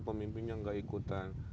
pemimpinnya nggak ikutan